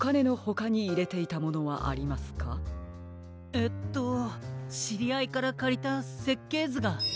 えっとしりあいからかりたせっけいずが。